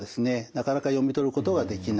なかなか読み取ることができない。